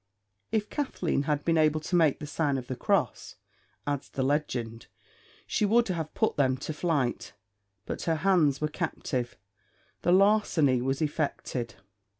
If Kathleen had been able to make the sign of the Cross, adds the legend, she would have put them to flight, but her hands were captive. The larceny was effected.